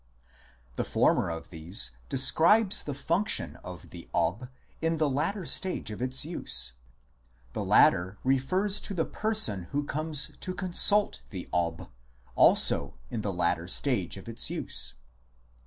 The former of these describes the function of the Ob, in the later stage of its use ; the latter refers to the person who comes to consult the ( 0b, also in the later stage of its use.